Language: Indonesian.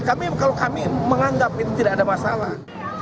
kalau kami menganggap itu tidak ada masalah